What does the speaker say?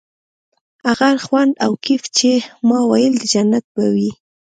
هغه خوند او کيف چې ما ويل د جنت به وي.